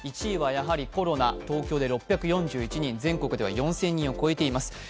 １位はやはりコロナ、東京で６４１人全国では４０００人を超えています。